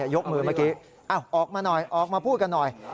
ยกมือเมื่อกี้ออกมาหน่อยออกมาพูดกันหน่อย